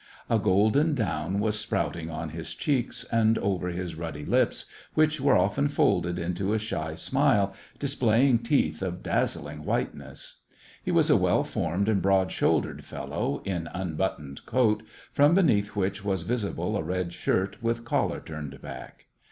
A golden down was sprout SEVASTOPOL IN AUGUST. 147 ing on his cheeks, and over his ruddy lips, which were often folded into a shy smile, displaying teeth of dazzling whiteness. He was a well formed and broad shouldered fellow, in unbuttoned coat, from beneath which was visible a red shirt with collar turned back.